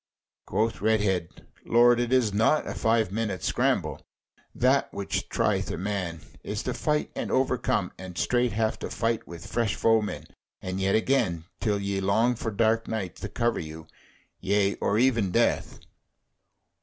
Quoth Redhead: "Lord, it is naught, a five minutes' scramble. That which trieth a man, is to fight and overcome, and straight have to fight with fresh foemen, and yet again, till ye long for dark night to cover you yea, or even death."